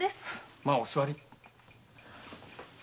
まぁお座り。